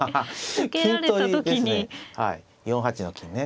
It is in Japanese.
４八の金ね。